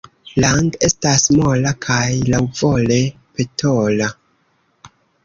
Lang' estas mola kaj laŭvole petola.